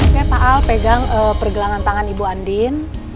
oke pak al pegang pergelangan tangan ibu andin